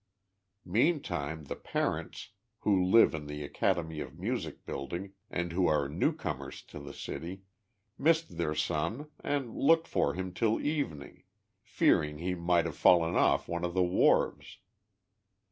Meantime the parents, who live in the Academy of Music building, and who are new comers to the city, missed their son and looked for him till evening, fearing he might have fallen olT one of the wharves.